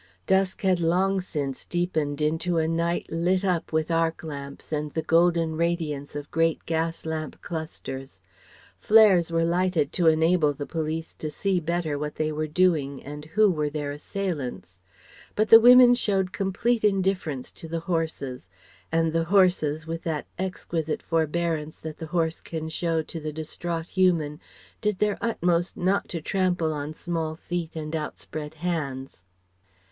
Dusk had long since deepened into a night lit up with arc lamps and the golden radiance of great gas lamp clusters. Flares were lighted to enable the police to see better what they were doing and who were their assailants. But the women showed complete indifference to the horses; and the horses with that exquisite forbearance that the horse can show to the distraught human, did their utmost not to trample on small feet and outspread hands.